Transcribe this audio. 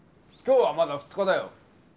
今日はまだ２日だよ。